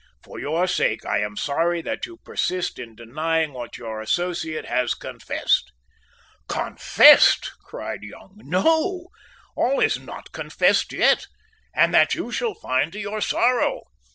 For your own sake I am sorry that you persist in denying what your associate has confessed." "Confessed!" cried Young; "no, all is not confessed yet; and that you shall find to your sorrow.